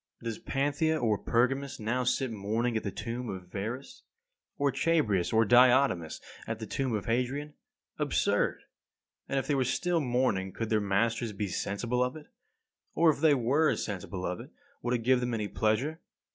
37. Does Panthea or Pergamus now sit mourning at the tomb of Verus, or Chabrias or Diotimus at the tomb of Hadrian? Absurd! And if they were still mourning could their masters be sensible of it? Or if they were sensible of it, would it give them any pleasure?